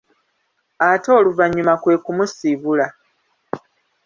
Ate oluvannyuma kwe kumusibula.